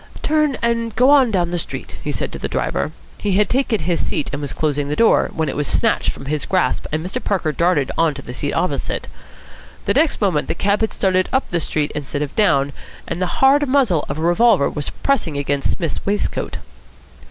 "Turn and go on down the street," he said to the driver. He had taken his seat and was closing the door, when it was snatched from his grasp and Mr. Parker darted on to the seat opposite. The next moment the cab had started up the street instead of down and the hard muzzle of a revolver was pressing against Psmith's waistcoat.